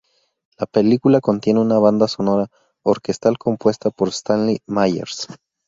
La película contiene una banda sonora orquestal compuesta por Stanley Myers.